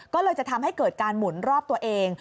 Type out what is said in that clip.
ก็เลยจะทำให้เกิดการหมุนรอบตัวเอง